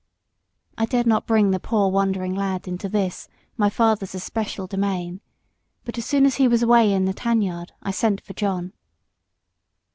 I dared not bring the poor wandering lad into this, my father's especial domain; but as soon as he was away in the tan yard I sent for John.